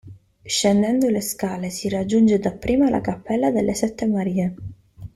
Scendendo le scale si raggiunge dapprima la cappella delle Sette Marie.